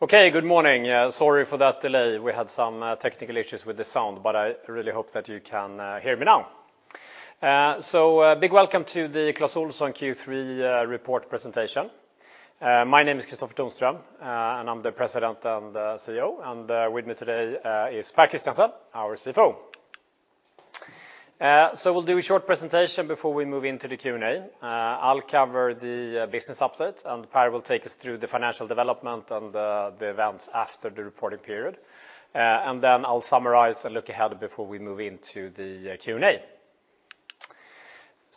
Okay, good morning. Sorry for that delay. We had some technical issues with the sound, but I really hope that you can hear me now. Big welcome to the Clas Ohlson Q3 report presentation. My name is Kristofer Tonström, and I'm the President and CEO. With me today is Pär Christiansen, our CFO. We'll do a short presentation before we move into the Q&A. I'll cover the business update, and Pär will take us through the financial development and the events after the reporting period. I'll summarize and look ahead before we move into the Q&A.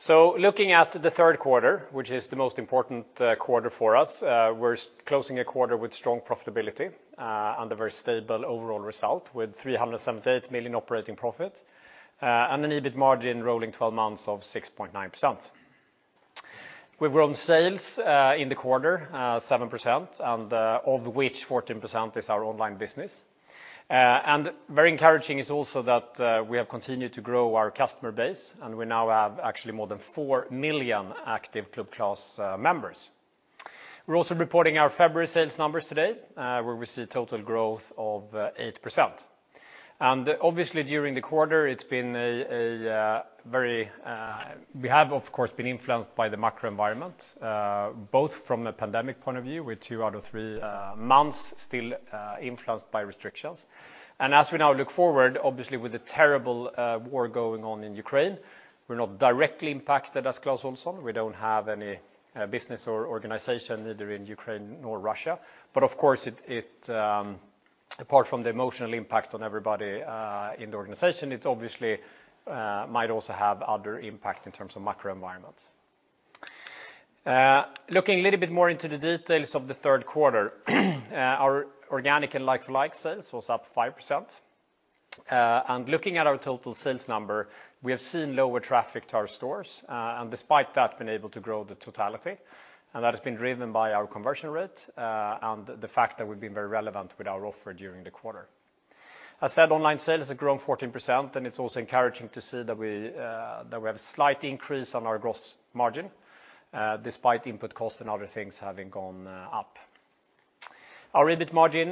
Looking at the third quarter, which is the most important quarter for us, we're closing a quarter with strong profitability, and a very stable overall result with 378 million operating profit, and an EBIT margin rolling 12 months of 6.9%. We've grown sales in the quarter 7%, and of which 14% is our online business. Very encouraging is also that we have continued to grow our customer base, and we now have actually more than 4 million active Club Clas members. We're also reporting our February sales numbers today, where we see total growth of 8%. Obviously during the quarter, it's been a very. We have, of course, been influenced by the macro environment, both from a pandemic point of view, with two out of three months still influenced by restrictions. As we now look forward, obviously with the terrible war going on in Ukraine, we're not directly impacted as Clas Ohlson. We don't have any business or organization either in Ukraine nor Russia. Of course it, apart from the emotional impact on everybody in the organization, it obviously might also have other impact in terms of macro environment. Looking a little bit more into the details of the third quarter, our organic and like-for-like sales was up 5%. Looking at our total sales number, we have seen lower traffic to our stores, and despite that, been able to grow the totality, and that has been driven by our conversion rate, and the fact that we've been very relevant with our offer during the quarter. As said, online sales has grown 14%, and it's also encouraging to see that we have slight increase on our gross margin, despite input cost and other things having gone up. Our EBIT margin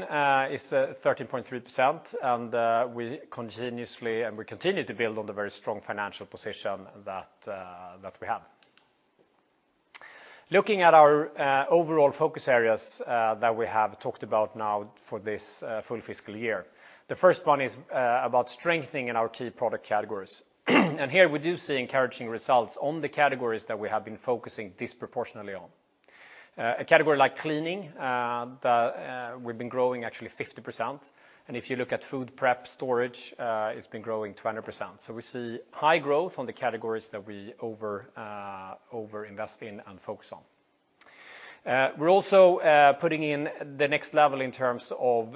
is 13.3%, and we continue to build on the very strong financial position that we have. Looking at our overall focus areas that we have talked about now for this full fiscal year, the first one is about strengthening in our key product categories. Here we do see encouraging results on the categories that we have been focusing disproportionately on. A category like cleaning, we've been growing actually 50%. If you look at food prep storage, it's been growing 20%. We see high growth on the categories that we over-invest in and focus on. We're also putting in the next level in terms of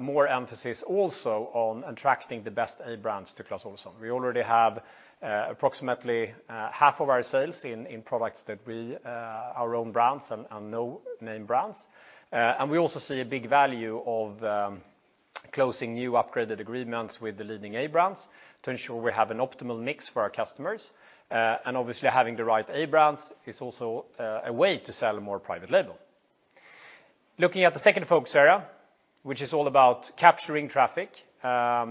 more emphasis also on attracting the best A brands to Clas Ohlson. We already have approximately half of our sales in products that are our own brands and no-name brands. We also see a big value of closing new upgraded agreements with the leading A brands to ensure we have an optimal mix for our customers. Obviously having the right A brands is also a way to sell more private label. Looking at the second focus area, which is all about capturing traffic, as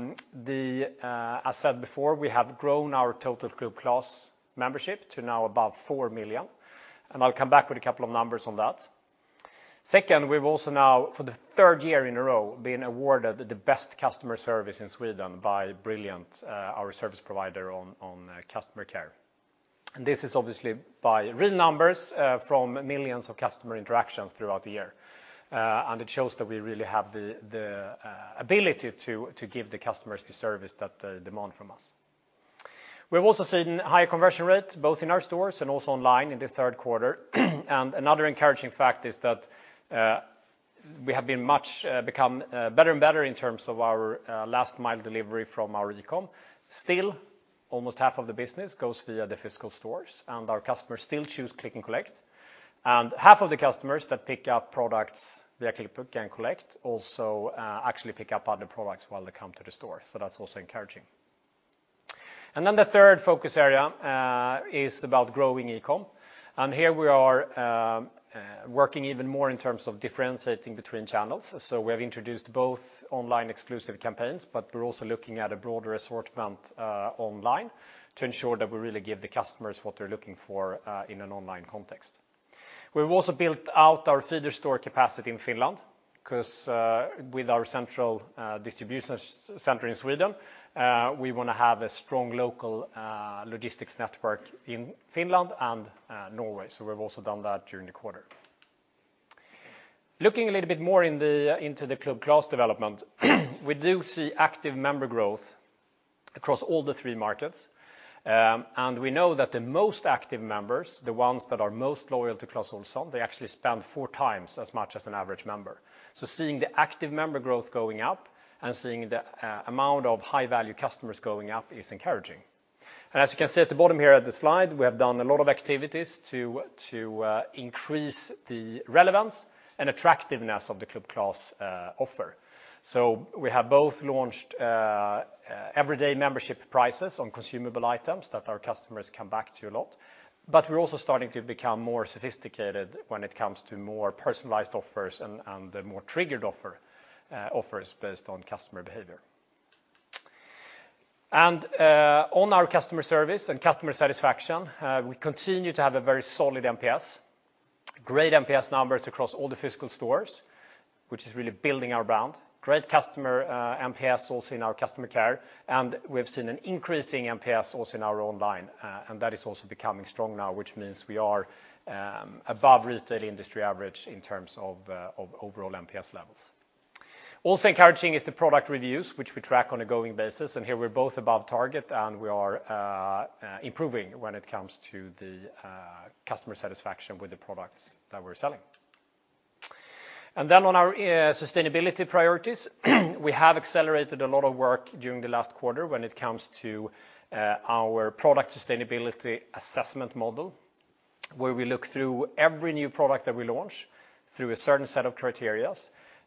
said before, we have grown our total Club Clas membership to now above 4 million, and I'll come back with a couple of numbers on that. Second, we've also now for the third year in a row been awarded the best customer service in Sweden by Brilliant, our service provider on customer care. This is obviously by real numbers from millions of customer interactions throughout the year. It shows that we really have the ability to give the customers the service that they demand from us. We've also seen higher conversion rates, both in our stores and also online in the third quarter. Another encouraging fact is that we have become better and better in terms of our last mile delivery from our e-com. Still, almost half of the business goes via the physical stores, and our customers still choose click and collect. Half of the customers that pick up products via click and collect also actually pick up other products while they come to the store. That's also encouraging. The third focus area is about growing e-com. Here we are working even more in terms of differentiating between channels. We have introduced both online exclusive campaigns, but we're also looking at a broader assortment online to ensure that we really give the customers what they're looking for in an online context. We've also built out our feeder store capacity in Finland because with our central distribution center in Sweden we wanna have a strong local logistics network in Finland and Norway. We've also done that during the quarter. Looking a little bit more into the Club Clas development, we do see active member growth across all the three markets. We know that the most active members, the ones that are most loyal to Clas Ohlson, they actually spend 4x as much as an average member. Seeing the active member growth going up and seeing the amount of high-value customers going up is encouraging. As you can see at the bottom here of the slide, we have done a lot of activities to increase the relevance and attractiveness of the Club Clas offer. We have both launched everyday membership prices on consumable items that our customers come back to a lot. We're also starting to become more sophisticated when it comes to more personalized offers and more triggered offers based on customer behavior. On our customer service and customer satisfaction, we continue to have a very solid NPS, great NPS numbers across all the physical stores, which is really building our brand. Great customer NPS also in our customer care, and we've seen an increasing NPS also in our online, and that is also becoming strong now, which means we are above retail industry average in terms of overall NPS levels. Also encouraging is the product reviews, which we track on an ongoing basis, and here we're both above target, and we are improving when it comes to the customer satisfaction with the products that we're selling. On our sustainability priorities, we have accelerated a lot of work during the last quarter when it comes to our product sustainability assessment model, where we look through every new product that we launch through a certain set of criteria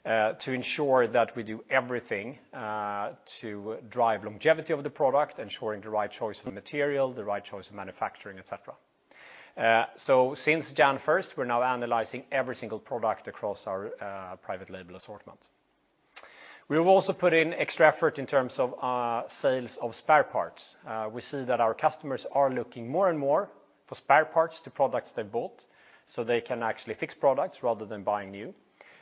to ensure that we do everything to drive longevity of the product, ensuring the right choice of material, the right choice of manufacturing, et cetera. Since January 1st, we're now analyzing every single product across our private label assortment. We've also put in extra effort in terms of sales of spare parts. We see that our customers are looking more and more for spare parts to products they bought, so they can actually fix products rather than buying new.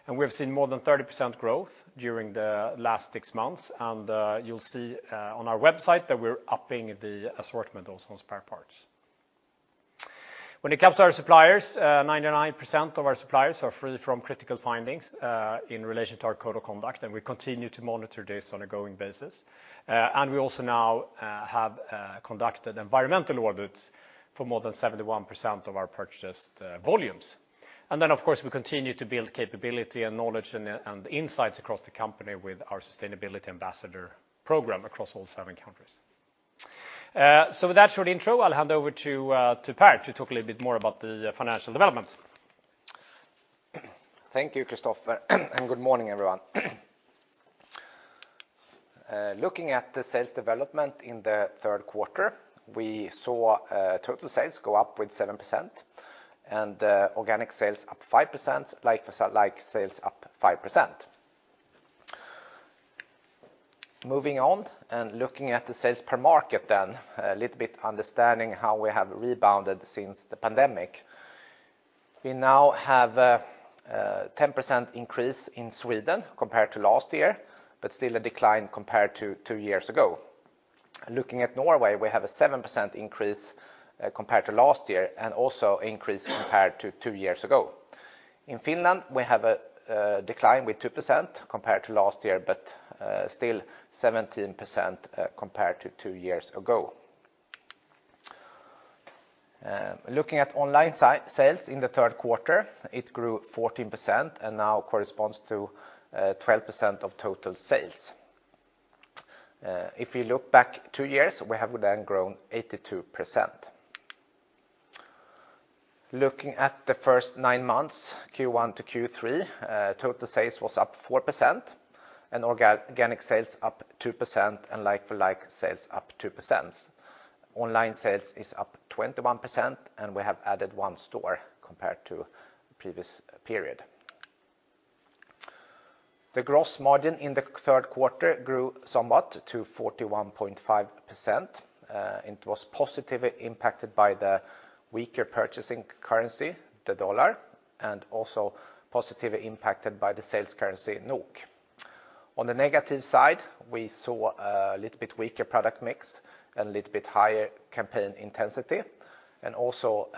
We've seen more than 30% growth during the last six months. You'll see on our website that we're upping the assortment also on spare parts. When it comes to our suppliers, 99% of our suppliers are free from critical findings in relation to our Code of Conduct, and we continue to monitor this on a going basis. We also now have conducted environmental audits for more than 71% of our purchased volumes. Of course, we continue to build capability and knowledge and insights across the company with our Sustainability Ambassador Program across all seven countries. With that short intro, I'll hand over to Pär to talk a little bit more about the financial development. Thank you, Kristofer, and good morning, everyone. Looking at the sales development in the third quarter, we saw total sales go up with 7% and organic sales up 5%, like-for-like sales up 5%. Moving on and looking at the sales per market then, a little bit understanding how we have rebounded since the pandemic. We now have a 10% increase in Sweden compared to last year, but still a decline compared to two years ago. Looking at Norway, we have a 7% increase compared to last year and also increase compared to two years ago. In Finland, we have a decline with 2% compared to last year, but still 17% compared to two years ago. Looking at online sales in the third quarter, it grew 14% and now corresponds to 12% of total sales. If you look back two years, we have then grown 82%. Looking at the first nine months, Q1 to Q3, total sales was up 4% and organic sales up 2% and like-for-like sales up 2%. Online sales is up 21%, and we have added one store compared to previous period. The gross margin in the third quarter grew somewhat to 41.5%. It was positively impacted by the weaker purchasing currency, the US dollar, and also positively impacted by the sales currency, NOK. On the negative side, we saw a little bit weaker product mix and a little bit higher campaign intensity, and also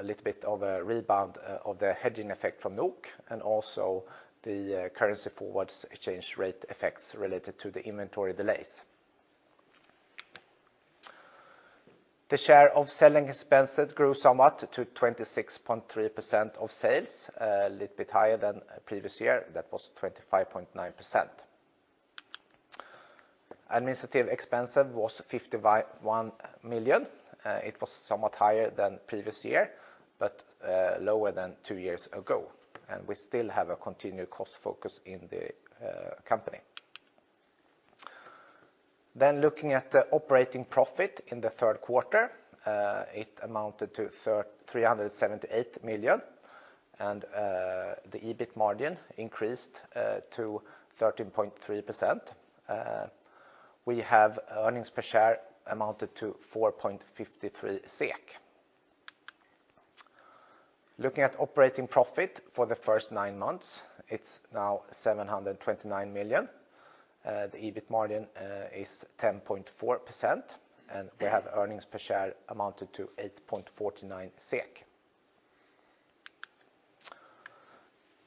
a little bit of a rebound of the hedging effect from NOK, and also the currency forwards exchange rate effects related to the inventory delays. The share of selling expenses grew somewhat to 26.3% of sales, a little bit higher than previous year. That was 25.9%. Administrative expenses was 51 million. It was somewhat higher than previous year, but lower than two years ago. We still have a continued cost focus in the company. Looking at the operating profit in the third quarter, it amounted to 378 million and the EBIT margin increased to 13.3%. We have earnings per share amounted to 4.53 SEK. Looking at operating profit for the first nine months, it's now 729 million. The EBIT margin is 10.4%, and we have earnings per share amounted to 8.49 SEK.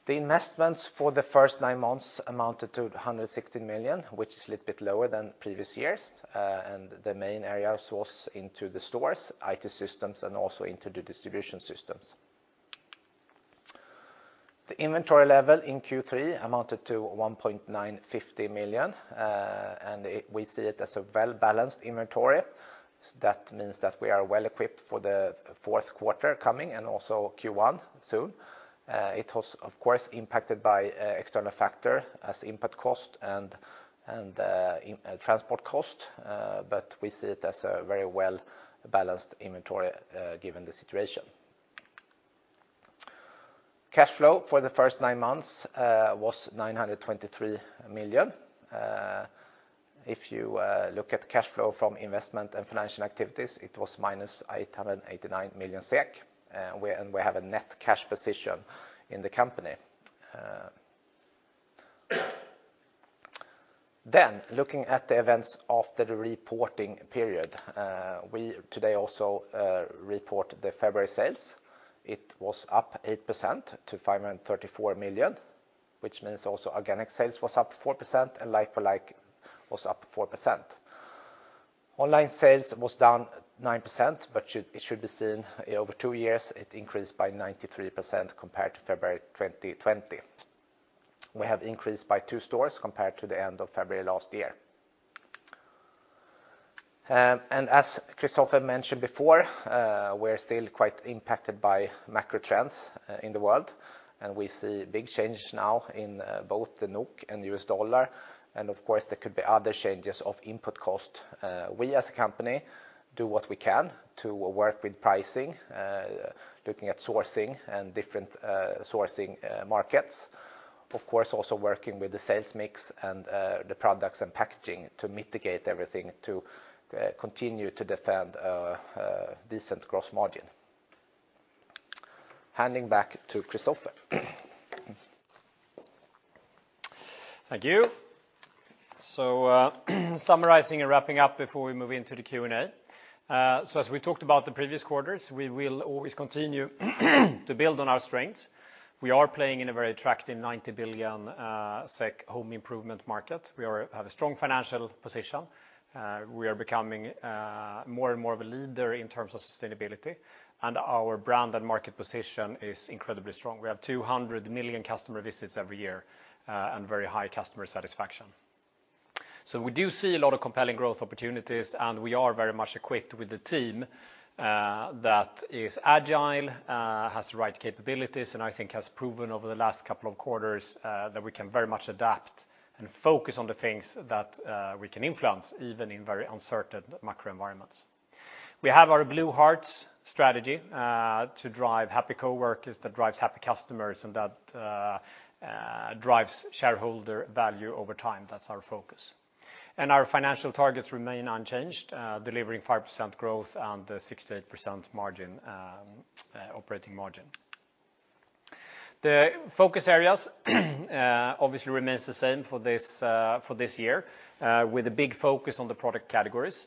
The investments for the first nine months amounted to 160 million, which is a little bit lower than previous years. The main areas was into the stores, IT systems, and also into the distribution systems. The inventory level in Q3 amounted to 1,950 million, and we see it as a well-balanced inventory. That means that we are well-equipped for the fourth quarter coming and also Q1 soon. It was, of course, impacted by external factor as input cost and in transport cost, but we see it as a very well-balanced inventory, given the situation. Cash flow for the first nine months was 923 million. If you look at cash flow from investment and financial activities, it was -889 million SEK, and we have a net cash position in the company. Looking at the events after the reporting period, we today also report the February sales. It was up 8% to 534 million, which means also organic sales was up 4% and like-for-like was up 4%. Online sales was down 9%, but it should be seen over two years. It increased by 93% compared to February 2020. We have increased by two stores compared to the end of February last year. As Kristofer mentioned before, we're still quite impacted by macro trends in the world, and we see big changes now in both the NOK and US dollar, and of course, there could be other changes of input cost. We, as a company, do what we can to work with pricing, looking at sourcing and different sourcing markets. Of course, also working with the sales mix and the products and packaging to mitigate everything to continue to defend our decent gross margin. Handing back to Kristofer. Thank you, summarizing and wrapping up before we move into the Q&A. As we talked about the previous quarters, we will always continue to build on our strengths. We are playing in a very attractive 90 billion SEK home improvement market. We have a strong financial position. We are becoming more and more of a leader in terms of sustainability, and our brand and market position is incredibly strong. We have 200 million customer visits every year, and very high customer satisfaction. We do see a lot of compelling growth opportunities, and we are very much equipped with the team that is agile, has the right capabilities and I think has proven over the last couple of quarters that we can very much adapt and focus on the things that we can influence even in very uncertain macro environments. We have our Blue Hearts strategy to drive happy coworkers, that drives happy customers and that drives shareholder value over time. That's our focus. Our financial targets remain unchanged, delivering 5% growth and 6%-8% margin, operating margin. The focus areas obviously remains the same for this year with a big focus on the product categories.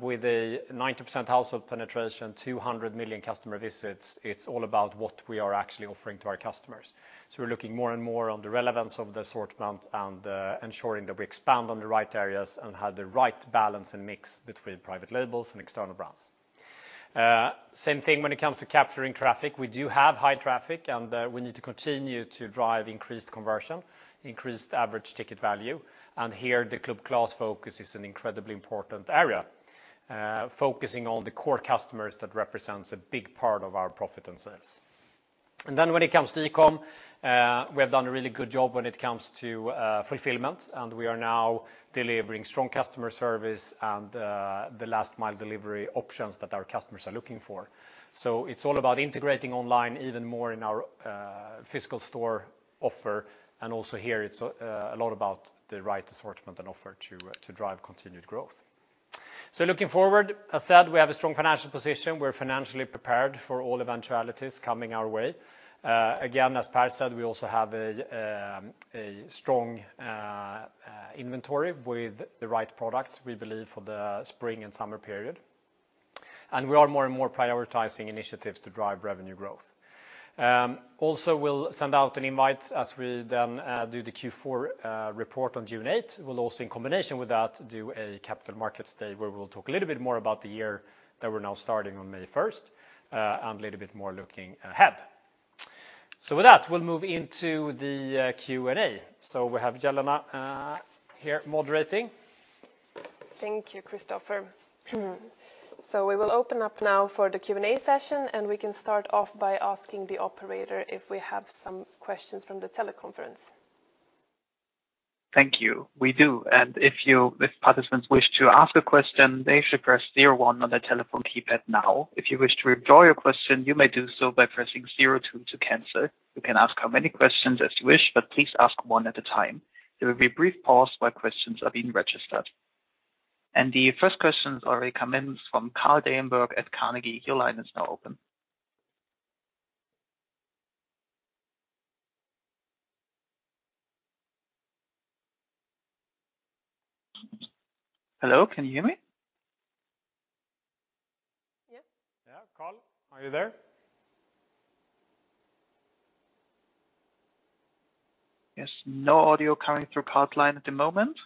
With a 90% household penetration, 200 million customer visits, it's all about what we are actually offering to our customers. We're looking more and more on the relevance of the assortment and ensuring that we expand on the right areas and have the right balance and mix between private labels and external brands. Same thing when it comes to capturing traffic. We do have high traffic, and we need to continue to drive increased conversion, increased average ticket value. Here the Club Clas focus is an incredibly important area, focusing on the core customers that represents a big part of our profit and sales. Then when it comes to e-com, we have done a really good job when it comes to fulfillment, and we are now delivering strong customer service and the last mile delivery options that our customers are looking for. It's all about integrating online even more in our physical store offer. Also here, it's a lot about the right assortment and offer to drive continued growth. Looking forward, as said, we have a strong financial position. We're financially prepared for all eventualities coming our way. Again, as Pär said, we also have a strong inventory with the right products, we believe, for the spring and summer period. We are more and more prioritizing initiatives to drive revenue growth. Also, we'll send out an invite as we then do the Q4 report on June 8th. We'll also, in combination with that, do a Capital Markets Day where we'll talk a little bit more about the year that we're now starting on May 1st, and a little bit more looking ahead. With that, we'll move into the Q&A. We have Jelena here moderating. Thank you, Kristofer. We will open up now for the Q&A session, and we can start off by asking the operator if we have some questions from the teleconference. The first questions already come in from Carl Deijenberg at Carnegie. Your line is now open. Hello, can you hear me? Yeah. Carl, are you there? Yes. No audio coming through Carl line at the moment.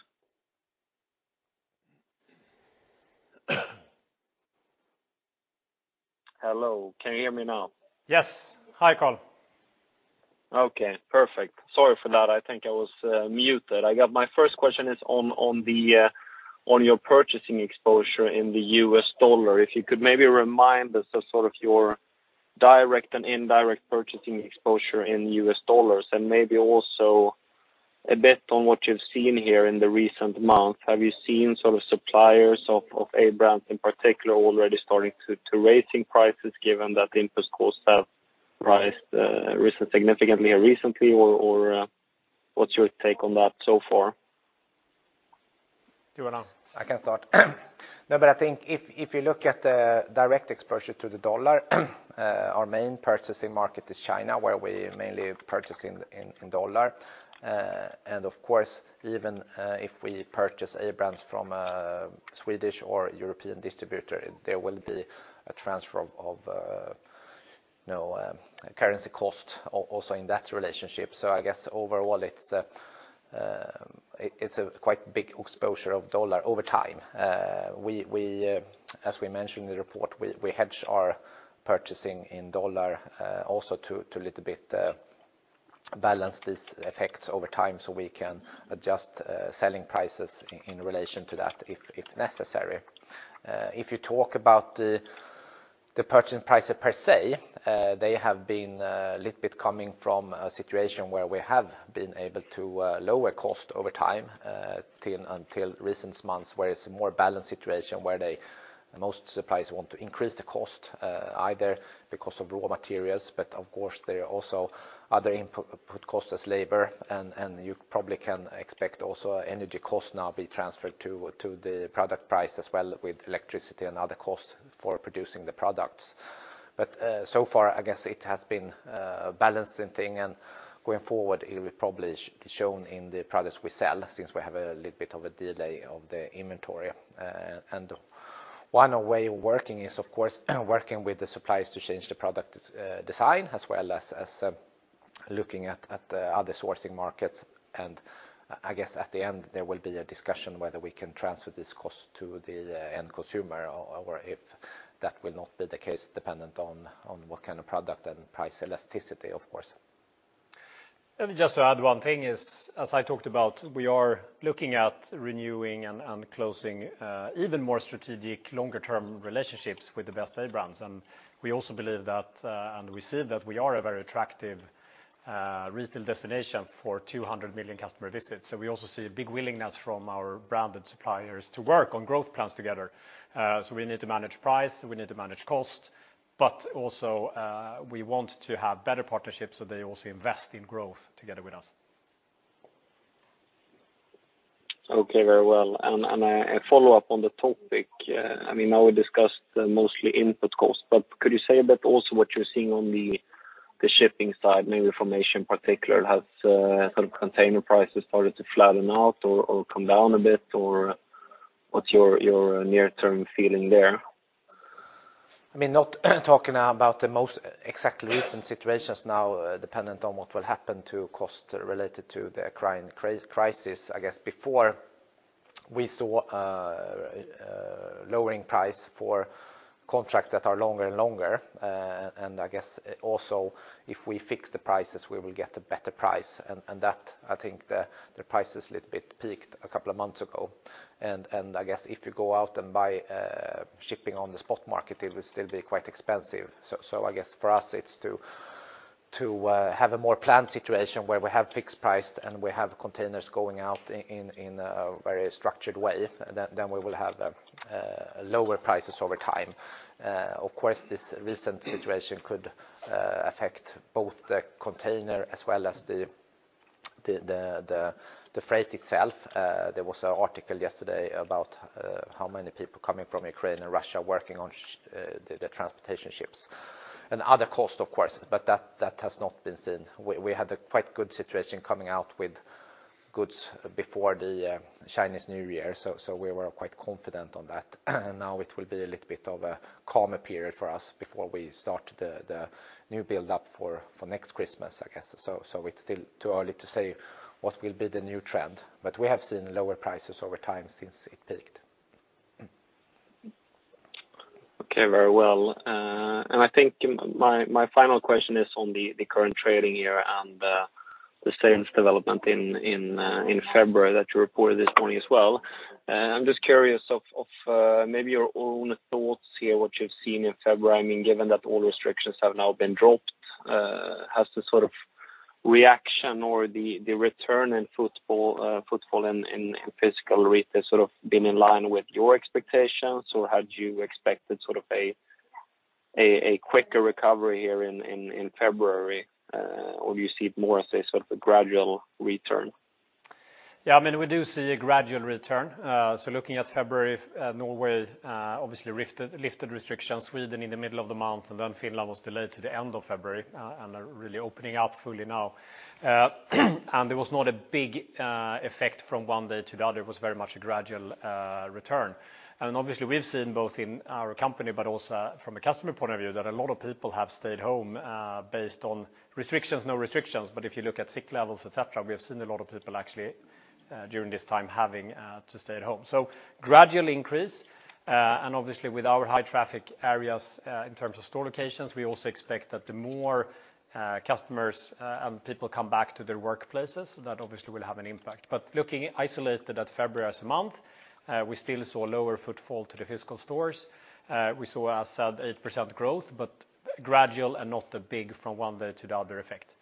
Hello. Can you hear me now? Yes. Hi, Carl. Okay, perfect. Sorry for that. I think I was muted. I got my first question is on your purchasing exposure in the US dollar. If you could maybe remind us of sort of your direct and indirect purchasing exposure in US dollars, and maybe also a bit on what you've seen here in the recent months. Have you seen sort of suppliers of A brands in particular already starting to raise prices given that the input costs have risen significantly recently, or what's your take on that so far? You wanna? I can start. No, but I think if you look at the direct exposure to the dollar, our main purchasing market is China, where we mainly purchase in dollar. Of course, even if we purchase A brands from a Swedish or European distributor, there will be a transfer of currency cost also in that relationship. I guess overall it's a quite big exposure of dollar over time. As we mentioned in the report, we hedge our purchasing in dollar, also to a little bit balance these effects over time so we can adjust selling prices in relation to that if necessary. If you talk about the purchasing prices per se, they have been a little bit coming from a situation where we have been able to lower cost over time until recent months, where it's a more balanced situation where most suppliers want to increase the cost, either because of raw materials, but of course there are also other input costs as labor and you probably can expect also energy costs now be transferred to the product price as well with electricity and other costs for producing the products. So far I guess it has been a balancing thing, and going forward it will probably shown in the products we sell since we have a little bit of a delay of the inventory. One way of working is, of course, working with the suppliers to change the product design as well as looking at other sourcing markets. I guess at the end there will be a discussion whether we can transfer this cost to the end consumer or if that will not be the case dependent on what kind of product and price elasticity of course. Let me just add one thing, as I talked about, we are looking at renewing and closing even more strategic longer-term relationships with the best A brands. We also believe that and we see that we are a very attractive retail destination for 200 million customer visits. We also see a big willingness from our branded suppliers to work on growth plans together. We need to manage price, we need to manage cost, but also we want to have better partnerships so they also invest in growth together with us. Okay, very well. A follow-up on the topic, I mean, now we discussed mostly input costs, but could you say a bit also what you're seeing on the shipping side? Maybe for Maersk in particular, has sort of container prices started to flatten out or come down a bit? Or what's your near-term feeling there? I mean, not talking about the most exact recent situations now, dependent on what will happen to cost related to the Ukraine crisis. I guess before we saw lowering price for contracts that are longer and longer. I guess also if we fix the prices, we will get a better price. That, I think the price is little bit peaked a couple of months ago. I guess if you go out and buy shipping on the spot market, it will still be quite expensive. I guess for us it's to have a more planned situation where we have fixed price and we have containers going out in a very structured way, then we will have lower prices over time. Of course, this recent situation could affect both the container as well as the freight itself. There was an article yesterday about how many people coming from Ukraine and Russia working on the transportation ships. Other costs, of course, but that has not been seen. We had a quite good situation coming out with goods before the Chinese New Year, so we were quite confident on that. Now it will be a little bit of a calmer period for us before we start the new build-up for next Christmas, I guess. It's still too early to say what will be the new trend, but we have seen lower prices over time since it peaked. Okay, very well. I think my final question is on the current trading year and the sales development in February that you reported this morning as well. I'm just curious of maybe your own thoughts here, what you've seen in February, I mean, given that all restrictions have now been dropped. Has the sort of reaction or the return in footfall in physical retail sort of been in line with your expectations, or had you expected sort of a quicker recovery here in February? Or you see it more as a sort of a gradual return? Yeah, I mean, we do see a gradual return. Looking at February, Norway obviously lifted restrictions, Sweden in the middle of the month, then Finland was delayed to the end of February, and are really opening up fully now. There was not a big effect from one day to the other. It was very much a gradual return. Obviously we've seen both in our company but also from a customer point of view, that a lot of people have stayed home, based on restrictions, no restrictions. If you look at sick levels, et cetera, we have seen a lot of people actually during this time having to stay at home. Gradual increase, and obviously with our high traffic areas, in terms of store locations, we also expect that the more customers and people come back to their workplaces, that obviously will have an impact. Looking isolated at February as a month, we still saw lower footfall to the physical stores. We saw, as said, 8% growth, but gradual and not a big from one day to the other effect.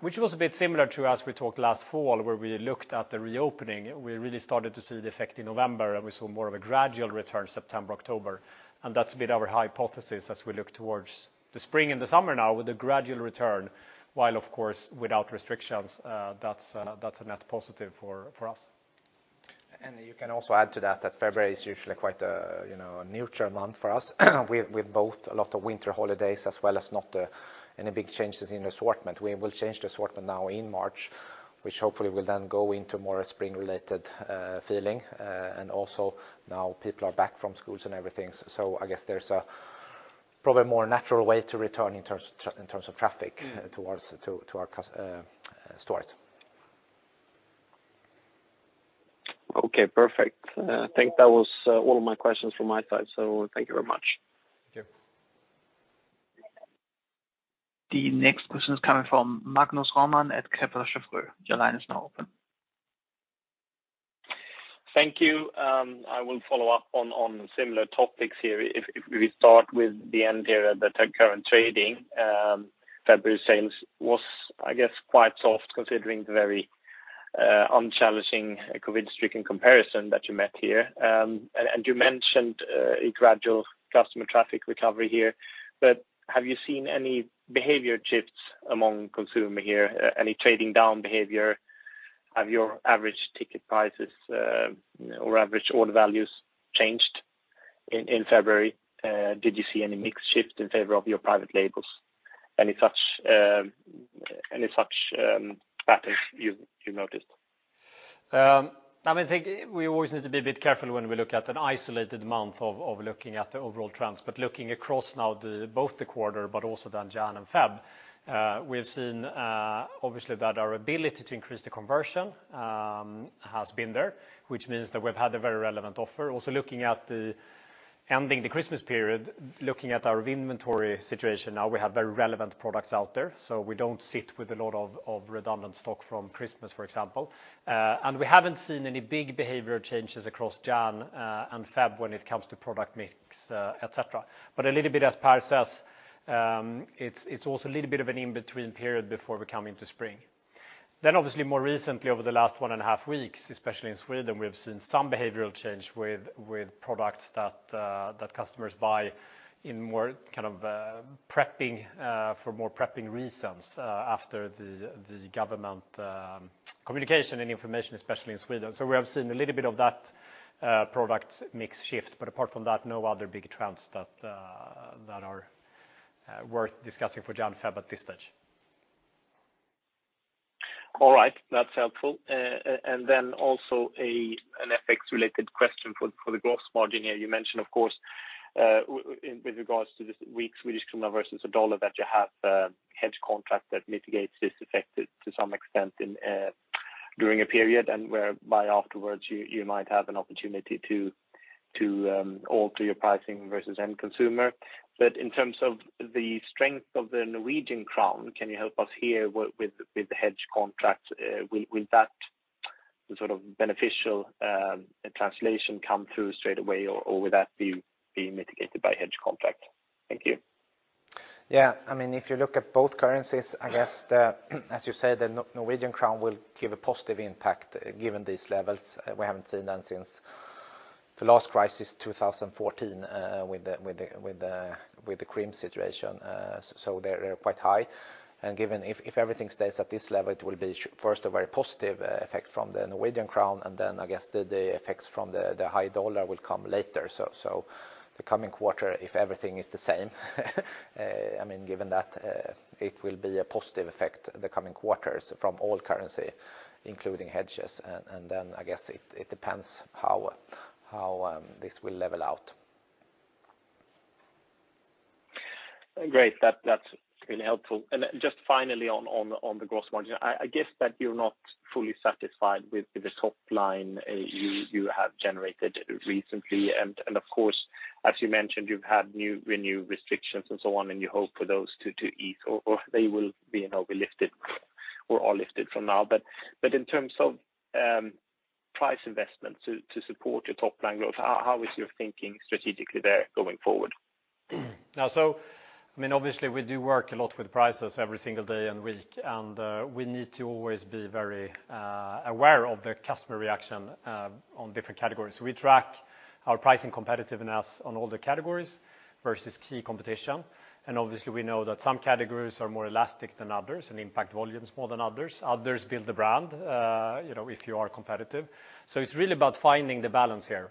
Which was a bit similar to as we talked last fall where we looked at the reopening, we really started to see the effect in November, and we saw more of a gradual return September, October. That's been our hypothesis as we look towards the spring and the summer now with the gradual return while of course without restrictions, that's a net positive for us. You can also add to that February is usually quite a, you know, a neutral month for us with both a lot of winter holidays as well as not any big changes in assortment. We will change the assortment now in March, which hopefully will then go into more spring related feeling. Also now people are back from schools and everything. I guess there's probably a more natural way to return in terms of traffic towards to our stores. Okay, perfect. I think that was all of my questions from my side, so thank you very much. Thank you. The next question is coming from Magnus Råman at Kepler Cheuvreux. Your line is now open. Thank you. I will follow up on similar topics here. If we start with the end here at the current trading, February sales was, I guess, quite soft considering the very unchallenging COVID streak in comparison that you met here. You mentioned a gradual customer traffic recovery here, but have you seen any behavior shifts among consumer here? Any trading down behavior? Have your average ticket prices or average order values changed in February? Did you see any mix shift in favor of your private labels? Any such patterns you noticed? I would say we always need to be a bit careful when we look at an isolated month, looking at the overall trends. Looking across now both the quarter but also then January and February, we have seen obviously that our ability to increase the conversion has been there, which means that we've had a very relevant offer. Also looking at the end of the Christmas period, looking at our inventory situation now, we have very relevant products out there. We don't sit with a lot of redundant stock from Christmas, for example. We haven't seen any big behavior changes across January and February when it comes to product mix, et cetera. A little bit, as Pär says, it's also a little bit of an in-between period before we come into spring. Obviously more recently, over the last one and a half weeks, especially in Sweden, we've seen some behavioral change with products that customers buy in more kind of prepping for more prepping reasons after the government communication and information, especially in Sweden. We have seen a little bit of that product mix shift, but apart from that, no other big trends that are worth discussing for January, February at this stage. All right. That's helpful. Then also an FX-related question for the gross margin here. You mentioned of course, with regards to this weak Swedish krona versus the dollar that you have hedge contract that mitigates this effect to some extent during a period and whereby afterwards you might have an opportunity to alter your pricing versus end consumer. But in terms of the strength of the Norwegian crown, can you help us here with the hedge contract? Will that sort of beneficial translation come through straight away or will that be mitigated by hedge contract? Thank you. Yeah. I mean, if you look at both currencies, I guess as you said, the Norwegian crown will give a positive impact given these levels. We haven't seen them since the last crisis, 2014, with the Crimea situation. So they're quite high. Given if everything stays at this level, it will be first, a very positive effect from the Norwegian crown, and then I guess the effects from the high US dollar will come later. The coming quarter, if everything is the same, I mean, given that, it will be a positive effect the coming quarters from all currencies, including hedges. Then I guess it depends how this will level out. Great. That's really helpful. Just finally on the gross margin, I guess that you're not fully satisfied with the top line you have generated recently. Of course, as you mentioned, you've had new corona restrictions and so on, and you hope for those to ease or they will be, you know, be lifted from now. In terms of price investment to support your top line growth, how is your thinking strategically there going forward? I mean, obviously we do work a lot with prices every single day and week. We need to always be very aware of the customer reaction on different categories. We track our pricing competitiveness on all the categories versus key competition. Obviously we know that some categories are more elastic than others and impact volumes more than others. Others build the brand, you know, if you are competitive. It's really about finding the balance here.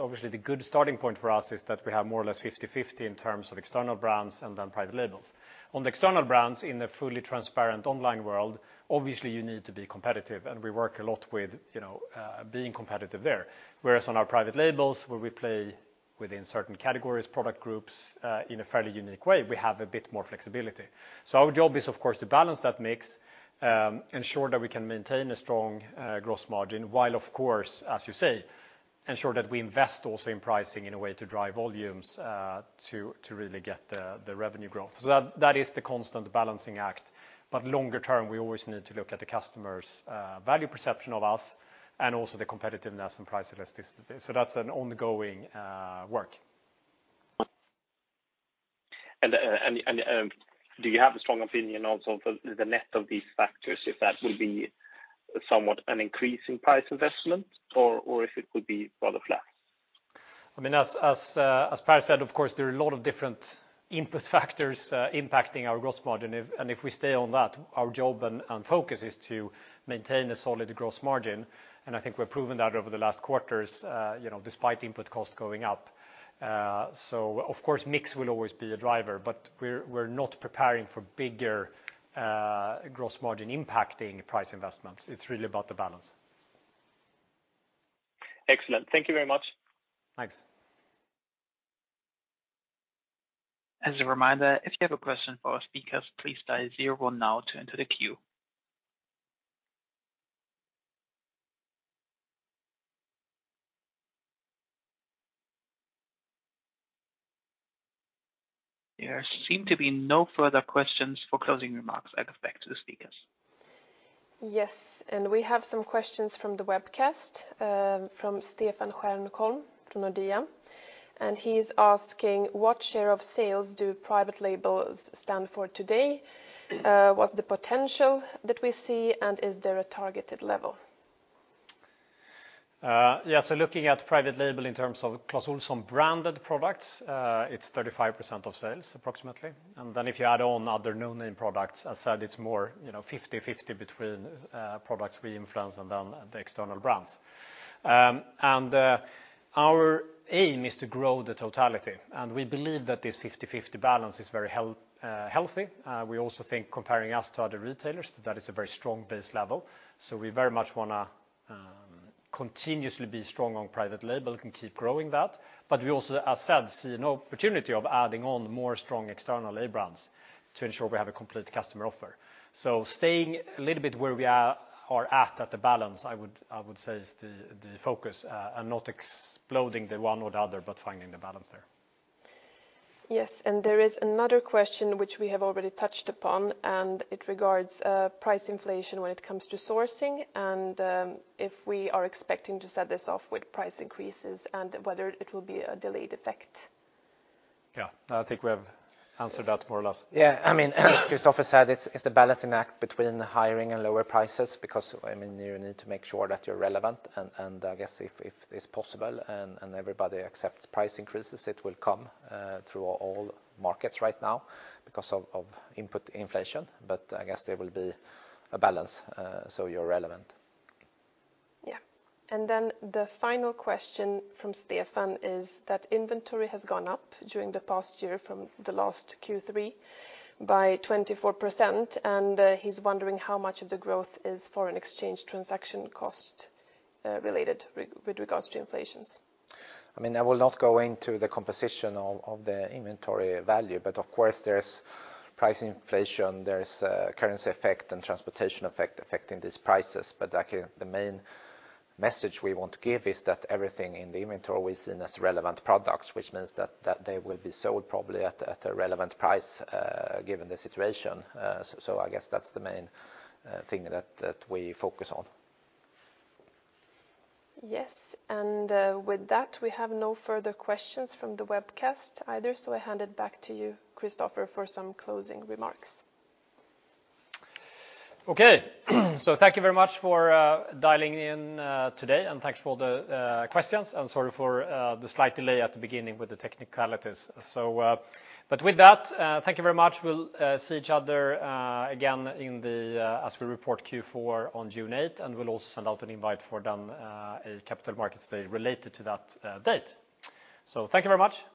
Obviously the good starting point for us is that we have more or less 50/50 in terms of external brands and then private labels. On the external brands in a fully transparent online world, obviously you need to be competitive and we work a lot with, you know, being competitive there. Whereas on our private labels where we play within certain categories, product groups, in a fairly unique way, we have a bit more flexibility. Our job is of course to balance that mix, ensure that we can maintain a strong, gross margin while of course, as you say, ensure that we invest also in pricing in a way to drive volumes, to really get the revenue growth. So that is the constant balancing act. But longer term, we always need to look at the customers', value perception of us and also the competitiveness and price elasticity. So that's an ongoing, work. Do you have a strong opinion also of the net of these factors, if that will be somewhat an increase in price investment or if it will be rather flat? I mean, as Pär said, of course, there are a lot of different input factors impacting our gross margin. If we stay on that, our job and focus is to maintain a solid gross margin, and I think we've proven that over the last quarters, you know, despite input costs going up. Of course, mix will always be a driver, but we're not preparing for bigger gross margin impacting price investments. It's really about the balance. Excellent. Thank you very much. Thanks. As a reminder, if you have a question for our speakers, please dial zero one now to enter the queue. There seem to be no further questions for closing remarks. I give back to the speakers. Yes, we have some questions from the webcast, from Stefan Stjernholm from Nordea, and he's asking, "What share of sales do private labels stand for today? What's the potential that we see, and is there a targeted level? Yeah, looking at private label in terms of Clas Ohlson branded products, it's 35% of sales approximately. Then if you add on other no-name products, as said, it's more, you know, 50/50 between products we influence and then the external brands. Our aim is to grow the totality, and we believe that this 50/50 balance is very healthy. We also think comparing us to other retailers, that is a very strong base level, we very much wanna continuously be strong on private label and keep growing that. We also, as said, see an opportunity of adding on more strong external A brands to ensure we have a complete customer offer. Staying a little bit where we are at the balance, I would say is the focus and not exploding the one or the other, but finding the balance there. Yes, there is another question which we have already touched upon, and it regards price inflation when it comes to sourcing and if we are expecting to set this off with price increases and whether it will be a delayed effect. Yeah. I think we have answered that more or less. Yeah. I mean, as Kristofer said, it's a balancing act between the higher and lower prices because, I mean, you need to make sure that you're relevant and I guess if it's possible and everybody accepts price increases, it will come through all markets right now because of input inflation. But I guess there will be a balance, so you're relevant. Yeah. Then the final question from Stefan is that inventory has gone up during the past year from the last Q3 by 24%, and he's wondering how much of the growth is foreign exchange transaction cost related with regards to inflation. I mean, I will not go into the composition of the inventory value, but of course, there's price inflation, there's currency effect and transportation effect affecting these prices. Actually, the main message we want to give is that everything in the inventory we've seen as relevant products, which means that they will be sold probably at a relevant price given the situation. I guess that's the main thing that we focus on. Yes, with that, we have no further questions from the webcast either, so I hand it back to you, Kristofer, for some closing remarks. Okay. Thank you very much for dialing in today, and thanks for the questions, and sorry for the slight delay at the beginning with the technicalities. With that, thank you very much. We'll see each other again as we report Q4 on June 8th, and we'll also send out an invite for then, a Capital Markets Day related to that date. Thank you very much.